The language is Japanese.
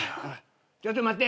ちょっと待って。